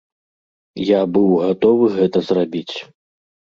Я быў гатовы гэта зрабіць.